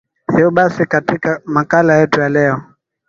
yo basi katika makala yetu ya leo